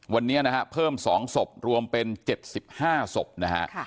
วันนี้นะฮะเพิ่มสองศพรวมเป็นเจ็ดสิบห้าศพนะฮะค่ะ